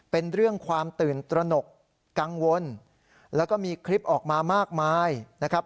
เป็นเรื่องความตื่นตระหนกกังวลแล้วก็มีคลิปออกมามากมายนะครับ